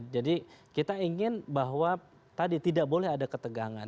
jadi kita ingin bahwa tadi tidak boleh ada ketegangan